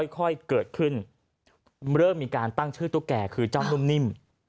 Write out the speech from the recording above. ค่อยเกิดขึ้นเริ่มมีการตั้งชื่อตุ๊กแก่คือเจ้านุ่มนิ่ม